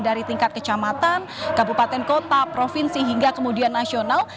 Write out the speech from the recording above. dari tingkat kecamatan kabupaten kota provinsi hingga kemudian nasional